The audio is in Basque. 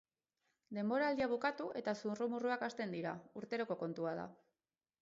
Denboraldia bukatu eta zurrumurruak hasten dira, urteroko kontua da.